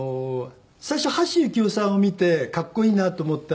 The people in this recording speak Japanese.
最初橋幸夫さんを見てかっこいいなと思って。